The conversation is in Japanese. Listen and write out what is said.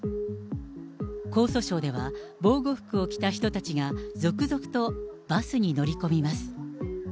江蘇省では防護服を着た人たちが続々とバスに乗り込みます。